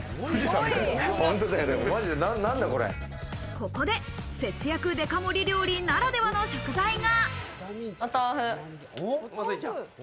ここで節約デカ盛り料理ならではの食材が。